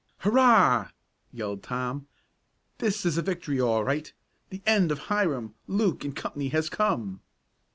"Hurrah!" yelled Tom. "This is a victory all right. The end of Hiram, Luke and Company has come."